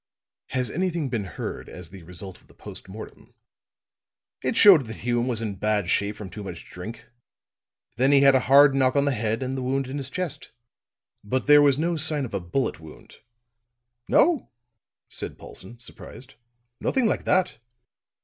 "Has anything been heard as the result of the post mortem?" "It showed that Hume was in bad shape from too much drink. Then he had a hard knock on the head, and the wound in his chest." "But there was no sign of a bullet wound?" "No," said Paulson, surprised. "Nothing like that."